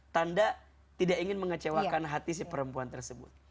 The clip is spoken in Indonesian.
tanda tidak ingin mengecewakan hati si perempuan tersebut